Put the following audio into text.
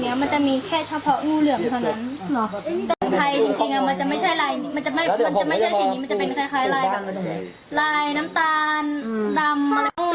หลังจะไม่ค่อยมีถ้ามีก็แบบเนี้ยแหละหายากจริง